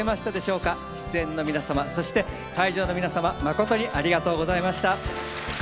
出演の皆様そして会場の皆様まことにありがとうございました。